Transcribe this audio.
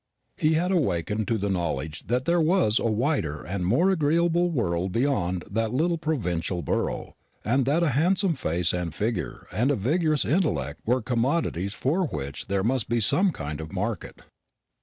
He had awakened to the knowledge that there was a wider and more agreeable world beyond that little provincial borough, and that a handsome face and figure and a vigorous intellect were commodities for which there must be some kind of market.